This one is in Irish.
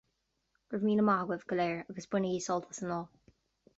Go raibh míle maith agaibh go léir, agus bainigí sult as an lá